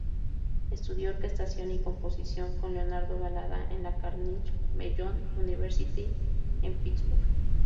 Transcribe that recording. Estudió orquestación y composición con Leonardo Balada en la Carnegie Mellon University en Pittsburgh.